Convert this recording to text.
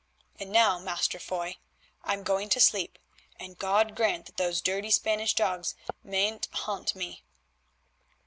And now, Master Foy, I'm going to sleep, and God grant that those dirty Spanish dogs mayn't haunt me."